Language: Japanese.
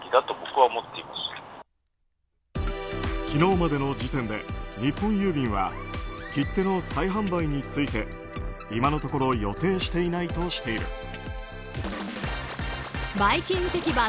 昨日までの時点で日本郵便は切手の再販売について今のところ予定していないとしている。